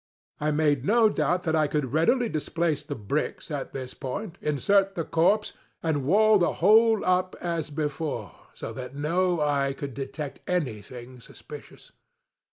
I made no doubt that I could readily displace the bricks at this point, insert the corpse, and wall the whole up as before, so that no eye could detect any thing suspicious.